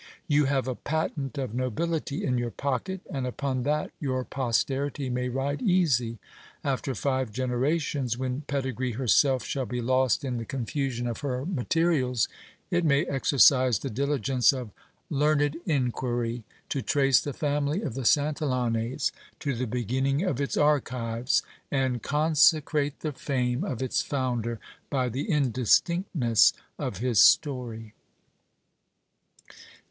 You have a patent of nobility in your pocket, and upon that your posterity may ride easy ; after five generations, when pedigree herself shall be lost in the confusion of her materials, it may exercise the diligence of learned inquiry, to trace the family of the Santillanes to the beginning of its archives, and consecrate the fame of its founder by the indistinctness of his story.